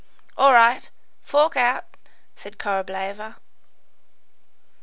"All right, fork out," said Korableva.